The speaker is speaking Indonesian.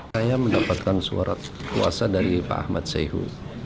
saya mendapatkan suara kuasa dari pak ahmad seyhu